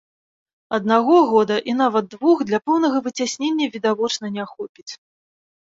Аднаго года, і нават двух, для поўнага выцяснення, відавочна, не хопіць.